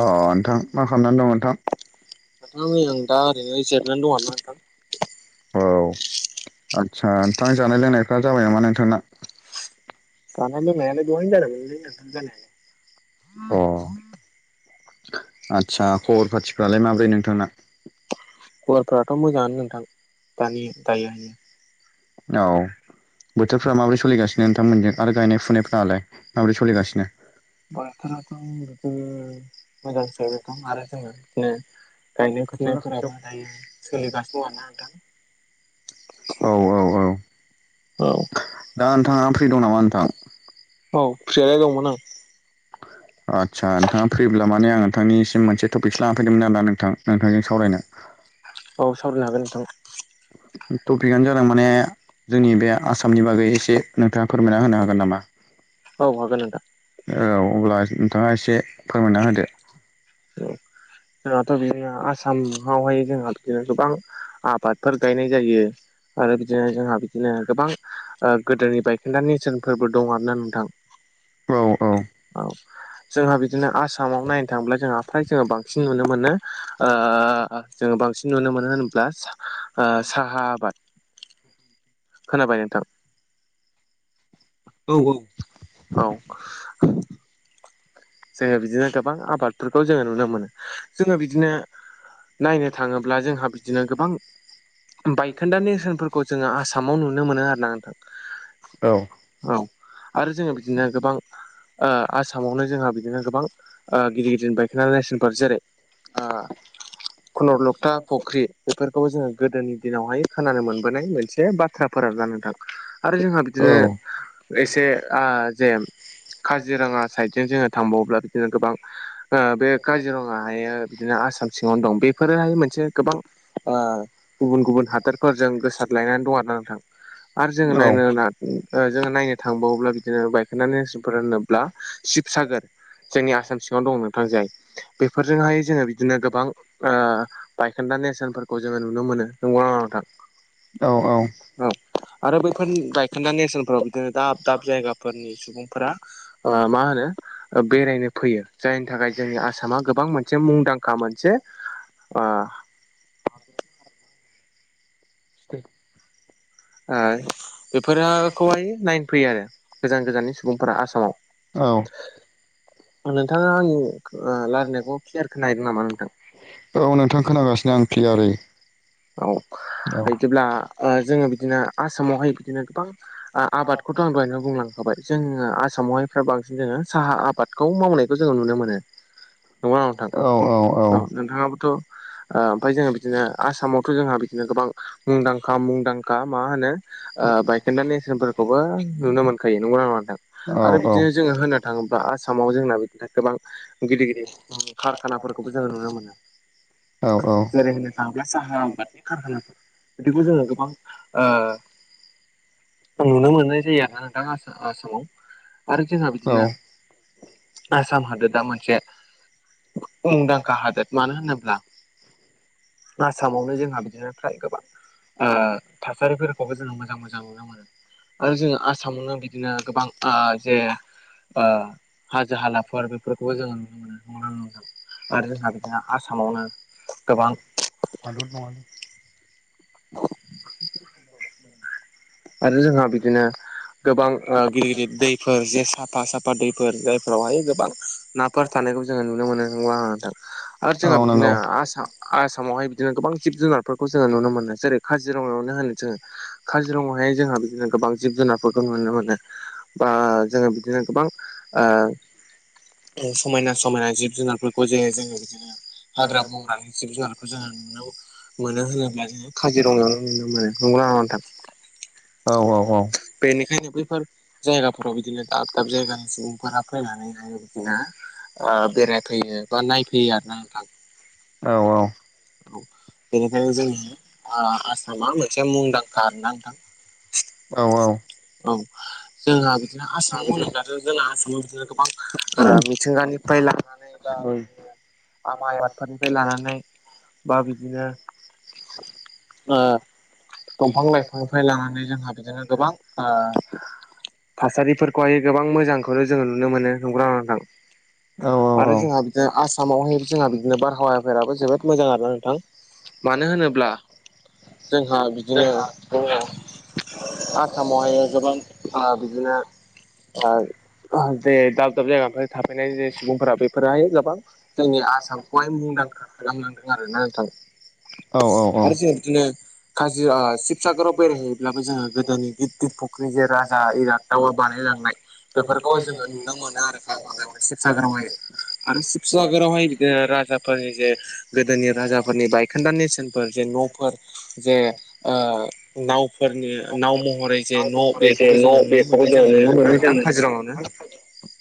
अ नोंथां मा खालामनानै दं नोंथां नोंथां नै आं दा ओरैनो जिरनानै दं आरोना नोंथां औ आस्सा नोंथां जानाय लोंनायफ्रा जाबाय नामा नोंथांना जाना लोंनायालाय दहायनो जादोंमोनलै नोंथां जानाया अ आचसा खबर पाथिफ्रालाय माब्रै नोंथांना गुवारफोराथ मोजांङानो नोंथां दानि दायो हायो औ बोथोरफ्रा माबोरै सोलिगासिनो नोंथांमोननिजों आरो गायनाय फुनायफ्रालाय माबोरै सोलिगासिनो बोथोराथ बिदिनो मोजां [unintelligible] दं आरो जोंङो बिदिनो गायनाय खाथियावना खाथियाव फुनायफोराबो दायो सोलिगासिनो दं आरोना नोंथां औ औ औ औ दा नोंथांङा फ्रि दं नामा नोंथां औ फ्रियालाय दंमोन आं आदसा नोंथांङा फैब्ला माने आं नोंथांनिसिम मोनसेटपिकस लानानैफैदोंमोन आरोदा नोंथां नोंथांजों सावरायनो औ सावरायनो हागोन नोंथां टपिकआनो जादों माने जोंनि बे आसामनि बागै एसे नोंथांङा फोरमायना होनो हागोन नामा औ हागोन नोंथां औ अब्ला नोंथांङा एसे फोरमायना होदो जोंहाथ बिदिनो आसामावहाय जोंहा बिदिनो गोबां आबादफोर गायनाय जायो आरो बिदिनो जोंहा बिदिनो गोबां ओ गोदोनि बायखेन्दा नेरसोनफोरबो दं आरोना नोंथां औ औ औ जोंहा बिदिनो आसामाव नायनो थाङोब्ला जोंहा फ्राय जोंङो बांसिन नुनो मोनो ओ जोंङो बांसिन नुनो मोनो होनोब्ला ओ साहा आबाद खोनाबाय नोथां औ औ औ जोंङो बिदिनो गोबां आबादफोरखौ जोंङो नुनो मोनो जोङो बिदिनो नायनो थाङो ब्ला जोंहा बिदिनो गोबां बायखोन्दा नेसोनफोरखौ जोंङो आसा सामामाव नुनो मोनो आरोना नोंथां औ औ आरो जोंङो बिदिनो गोबां ओ आसामावनो जोंहा बिदिनो गोबां गिदिर गिदिर बायखोनदा नेसोनफोर जेरै आ खुन लकथा फख्रि बेफोरखौबो जोंङो गोदोनि दिनावहाय खोनानो मोनबोनाय मोनसे बाथ्रा फोर आरोना नोंथां आरो जोंहा औ बिदिनो एसे आ जे काजिरंङा साइडजों जोंङो थांबावोब्ला बिदिनो गोबां ओ बे काजिरंङाहायो बिदिनो आसाम सिङावनो दं बेफोरोहाय मोनसे गोबां ओ गुबुन गुबुन हादोरफोरजों गोसारलायनानै दं आरोना नोंथां आरो जों नायनोना ओ जोङो नायनो थांबावोब्ला बिदिनो बायखोनदा नेरसोनफोर होनोब्ला शिबसागोर जोंनि आसाम सिङावनो दङ नोंथां जाय बेफोरजोंहाय जोङो बिदिनो गोबां ओ फायखोन्दा नेेरसोनफोरखौ जोंङो नुनो मोनो नंगौना नङा नोंथां औ औ औ आरो बैफोर बायखोन्दा नेसनफ्राव बिदिनो दाब दाब जायगा फोरनि सुबुंफोरा ओ मा होनो बेरायनो फैयो जायनि थाखाय जोंनि आसामा गोबां मोनसे मुंदांखा मोनसे ओ [unintelligible] ओ बेफोरखौहाय नायनो फैयो आरो गोजान गोजाननि सुबुंफोरा औ आसामाव नोंथाङा आंनि रायलायनायखौ क्लियार खोनाहैदों नामा नोंथां औ नोंथां खोनागासिनो आं क्लियारै औ औ बिदिब्ला ओ जोङो बिदिनो आसामावहाय बिदिनो गोबां आबादखौथ आं दहायनो बुंलांखाबाय जोंङो आसामावहायफ्रा बांसिन जोङो साहा आबादखौ मावनायखौ जोंङो नुनो मोनो नंगौना नंङा नोंथां औ औ नोंथांङाबोथ ओमफ्राय जोंङो बिदिनो आसामाव बोथ बिदिनो गोबां मुंदांखा मुंदांखा मा होनो ओ बाय खोन्दा नेसनेलफोरखौबो नुनो मोनखायो नंगौना नंङा नोंथां औ औ आरो बिदिनो जोंङो होननो थाङोब्ला आसामाव जोंना बिनो थाखाय गोबां गिदिर गिदिर कारखानाफोरखौबो जोङो नुनो मोनो औ जेरै होननो थाङोब्ला साहा [unintelligible] खारानाफोर बिदिखौ जोङो गोबां ओ खम नुनो मोननाय जायो आरोना नोंथां आसा आसामाव आरो जोंहा औ बिदिनो आसाम हादोरा मोनसे मुंदांखा हादोर मानो होनोब्ला आसामावनो जों बिदिनो फ्राय गोबां ओ थासारिफोरखौबो जोङो मोजां मोजां नुनो मोनो आरो जोंङो आसामावनो बिदिनो गोबां आ जे ओ हाजो हालाफोर बेफोरखौबो जोङो नुनो मोनो [unintelligible] आरो जोंहा बिदिनो आसामावनो गोबां [unintelligible] आरो जोंहा बिदिनो गोबां ओ गिदिर गिदिर दैफोर जे साफा साफा दैफोर जायफोरावहाय गोबां ना फोर थानायखौ जोङो नुनो मोनो नंगौना नङा नोंथां आरो जोंहा औ बिदिनो नंगौ आ सख आसामावहाय बिदिनो गोबां जिब जुनारफोरखौ जोङो नुनो मोनो जेरै काजिरङायावनो होनो जोङो काजिरङायावहाय जोङो बिदिनो गोबां जिब जुनारफोरखौ नुनो मोनो बा जोङो बिदिनो गोबां ओ समना समायना जिब जुनारफोरखौ [unintelligible] जोङो बिदिनो हाग्रा बंग्रा जिब जुनारखौ जोङो नुनो मोनो होनोब्ला जोङो काजिरङायावनो नुनो मोनो नंगौना नङा नोंथां औ औ औ बेनिखायनो बैफोर जायगाफोराव बिदिनो दाब दाब जायगानि सुबुंफोरा फैनानैहाय बिदिनो ओ बेरायफैयो बा नायफैयो आरोना नोंथां औ औ बेनिखायनो जोंनि ओ आसामा मोनसे मुंदांखा आरोना नोंथां औ औ औ जोंहा बिदिनो आसामाव होनोब्लाथ' जोंना आसामाव बिदिनो गोबां ओ मिथिंगानिफ्राय लानानै बा बिदिनो आ माइ आबादफोरनिफ्राय लानानै बा बिदिनो ओ दंफां लाइफांनिफ्राय लानानै जोंहा बिदिनो गोबां ओ थासारिफोरखौहाय गोबां मोजांखौनो जोङो नुनो मोनो नंगौना नङा नोंथां औ औ आरो जोंहा बिदिनो आसामावहाय जोंहा बिदिनो बारहावाफोराबो जोबोद मोजां आरोना नोंथां मानो होनोब्ला जोंहा बिदिनो आसामावहायो गोबां ओ बिदिनो ओ जे दाब दाब जायगानिफ्राय थाफैनाय जे सुबुंफोरा बेफोरहाय गोबां जोंनि आसामखौहाय मुंदांखा खालामलांदों आरोना नोंथां औ औ औ आरो जों बिदिनो काजि ओ शिबसागराव बेरायहैयोब्लाबो जोङो गोदोनि गिदिर फुख्रि जे राजा इरागदावा [unintelligible] बानायलांनाय बेफोरखौ जोङो नुनो मोनो आरोना माबायावहाय शिबसागरावहाय आरो शिबसागरावहाय बिदिनो राजाफोरनि जे गोदोनि राजाफोरनि बायखोन्दा नेेरसोनफोर जे न'फोर जे ओ नावफोरनि नाव महरै जे न' जे बेखौबो जोङो न' नुनो बेखौबो मोननाय जोङो जायो आरोना नुनो नोंथां काजिरङायावनो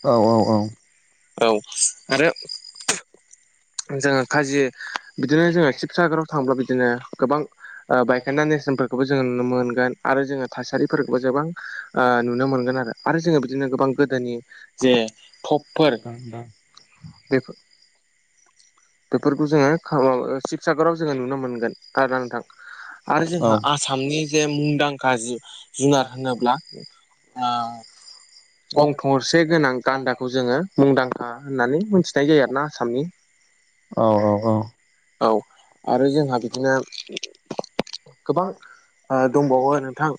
औ औ औ औ आरो जोङो खाजि बिदिनो जोङो शिबसागराव थांबोब्ला बिदिनो गोबां ओ बायखोनदा नेरसोनफोरखौबो जों नुनो मोनगोन आरो जोङो थासारिफोरखौबो गोबां ओ नुनो मोनगोन आरो। आरो जोङो बिदिनो गोबां गोदोनि जे [unintelligible] बेफो बेफोरखौ जोङो सिब साग'राव जोङो नुनो मोनगोन आरोना नोंथां। आरो जोंहा आसामनि जे मुंदांखा जि जुनार होनोब्ला ओ गं थसे गोनां गान्दा जोङो मुंदांखा होननानै मोनथिनाय जायो आरोना आसामनि। औ औ औ औ आरो जोंहा बिदिनो गोबां ओ दंबावो नोंथां।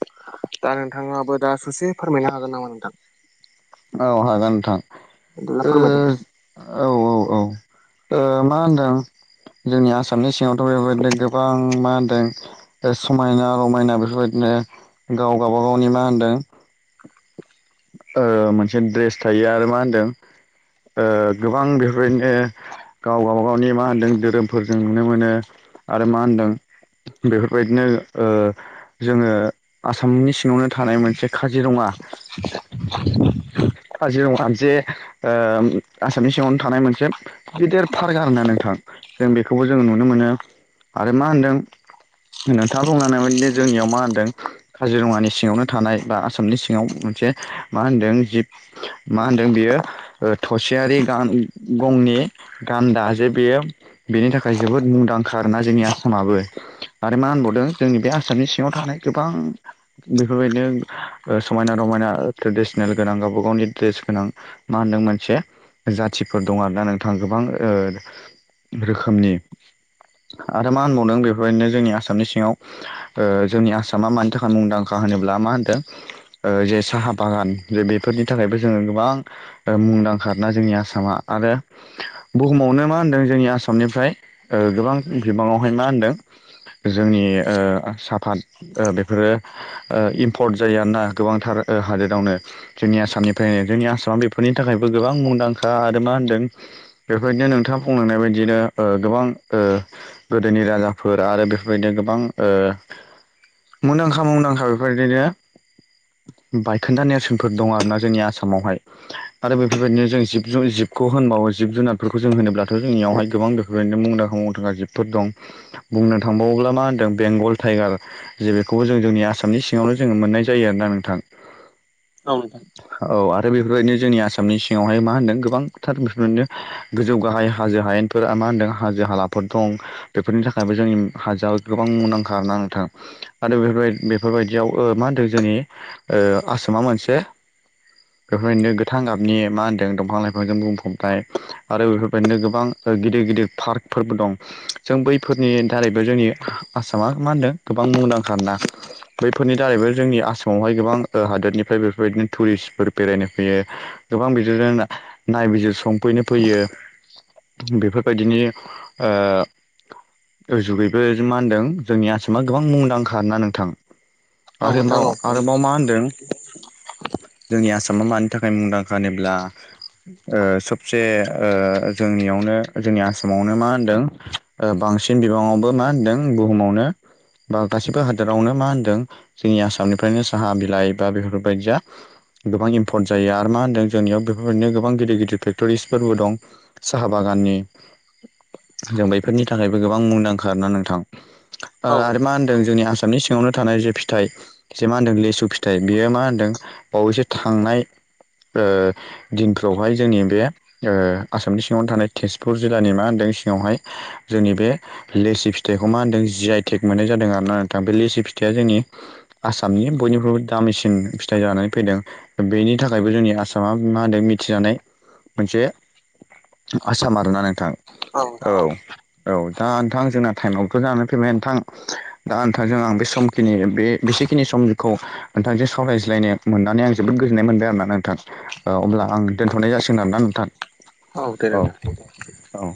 दा नोंथाङाबो दा ससे फोरमायनो हागोन नामा नोंथां? औ हागोन नोंथां। नोंथाङा ओ फोरमायदो। औ औ औ ओ मा होनदों जोंनि आसाम आसामनि सिङावथ' बेबायदिनो गोबां मा होनदों समायना रमायना बेफोरबायदिनो गाव गावबागावनि मा होनदों ओ मोनसे ड्रेस थायो आरो मा होनदों ओ गोबां बेफोरबादिनो गाव गावबा गावनि मा होन्दों धोरोमफोरजों नुनो मोनो आरो मा होनदों बेफोरबायदिनो ओ जोङो आसामनि सिङावनो थानाय मोनसे काजिरङा काजिरङा जे ओ आसामनि सिङावनो थानाय मोनसे गिदिर फार्क आरो ना नोंथां। जों बेखौबो जोङो नुनो मोनो आरो मा होनदों नोंथाङा बुंलांनाय बारदिनो जोंनियाव मा होनदों। काजिरङानि सिङावनो थानाय बा आसामनि सिङाव मोनसे मा होनदों जिब मा होनदों बियो ओ थसेयारि गान गंनि गान्दा जे बेयो बेनि थाखाय जोबोद मुंदांखा आरोना जोंनि आसामाबो। आरो मा होनबावदों जोंनि बे आसामनि सिङाव थानाय गोबां बेफोरबायदिनो ओ समायना रमायना ओ ट्रेडिसनेल गोनां गावबा गावनि ड्रेस गोनां मा होनदों मोनसे जाथिफोर दं आरोना नोंथां गोबां ओ रोखोमनि आरो मा होनबावदों बेफोरबायदिनो जोंनि आसामनि सिङाव ओ जोंनि आसामा मानि थाखाय मुंदांखा होनोब्ला मा होनदों ओ जे साहा बागान जे बेफोरनि थाखायबो जोङो गोबां ओ मुंदांखा आरोना जोंनि आसामा आरो बुहुमावनो मा होनदों जोंनि आसामनिफ्राय ओ गोबां बिबाङावहाय मा होनदों जोंनि ओ साफात ओ बेफोरो ओ इम्फर्ट जायोआरोना गोबांथार ओ हादोरावनो। जोंनि आसामनिफ्राय जोंनि आसामा बेफोरनि थाखायबो गोबां मुंदांखा। आरो मा होनदों? बेफोरबायदिनो नोंथाङा बुंंलांनाय बायदिनो ओ गोबां ओ गोदोनि राजाफोर आरो बेफोरबायदिनो गोबां ओ मुंदांखा मुंदांखा बेफोरबायदिनो बायखोन्दा नेरसोनफोर दं आरोना जोंनि आसामावहाय। आरो बेफोरबायदिनो जों जिब जु जिबखौ होनबावो जिब-जुनारफोरखौ जों होनोब्लाथ' जोंनियावहाय गोबां बेफो बेफोरबादिनो मुंदांखा मुंदांखा जिबफोर दं। बुंनो थांबावोब्ला मा होनदों बेंगल टाइगार जे बेखौबो जों जोंनि आसामनि सिङावनो जोङो मोननाय जायो आरोना नोंथां। औ नोंथां। औ आरो बेफोरबायदिनो जोंनि आसामनि सिङावहाय मा होनदों गोबांथार बेफोरबादिनो गोजौ गाहाय हाजो हायेनफोरा मा होनदों हाजो-हालाफोर दं। बेफोरनि थाखायबो जोंनि हाजोआ गोबां मुंदांखा आरोना नोंथां आरो बेफोरबाय बेफोरबायदियाव ओ मा होनदों जोंनि आसामा मोनसे बेफोरबायदिनो गोथां गाबनि मा होनदों दंफां-लाइफांजों बुंफबनाय आरो बेफोरबायदिनो गोबां ओ गिदिर गिदिर फार्कफोरबो दं जों बैफोरनि दारैबो जोंनि आसामा मा होनदों गोबां मुंदांखा आरोना बैफोरनि दारैबो जोंनि आसामावहाय गोबां ओ हादोरनिफ्राय बेफोरबायदिनो टुरिस्टफोर बेरायनो फैयो गोबां बिदिनो नायबिजिरसंफैनो फैयो बेफोरबायदिनि ओ जुगैबो मा होनदों जोंनि आसामा गोबां मुंदांखा आरोना नोंथां औ नोंथां आरोबाव औ आरोबाव मा होनदों जोंनि आसामा मानि थाखाय मुंदांखा होनोब्ला ओ सबसे ओ जोंनियावनो जोंनि आसामावनो मा होनदों ओ बांसिन बिबाङावबो मा होनदों बुहुमावनो बा गासिबो हादोरावनो मा होन्दों जोंनि आसामनिफ्रायनो साहा बिलाइ बा बेफोरबायदिया गोबां इम्पर्ट जायो आरो मा होन्दों जोंनियाव बेफोरबायदिनो गोबां गिदिर गिदिर फेक्ट'रिसफोरबो दं साहा बागाननि जों बैफोरनि थाखायबो गोबां मुंदांखा आरोना नोंथां ओ आरो मा होनदों जोंनि आसामनि सिङावनो थानाय जे फिथाइ जे मा होनदों लेसु फि थाय बेयो मा होनदों बावैसो थांनाय ओ दिनफ्रावहाय जोंनि बे ओ आसामनि सिङावनो थानाय तेजपुर जिल्लानि मा होनदों सिङावहाय जोंनि बे लेसि फिथाइखौ मा होनदों जि आइ टेग मोननाय जादों आरोना नोंथां बे लेसि फिथाया जोंनि आसामनि बयनिख्रुइबो दामिसिन फिथाइ जानानै फैदों बेनि थाखायबो जोंनि आसामा मा होनदों मिथिजानाय मोनसे आसाम आरोना नोंथां औ औ दा नोंथां जोंना टाइमाबोथ' जाना फैबाय नोंथां दा नोंथांजों आं बे समखिनि बे बेसेखिनि समखौ नोंथांजों सावरायज्लायनो मोननानै आं जोबोद गोजोननाय मोनदों आरोना नोंथां औ अब्ला आं दोनथ'नाय जासिगोन आरोना नोंथां औ दे नोंथां औ